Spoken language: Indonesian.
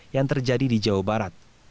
yang terjadi di jawa barat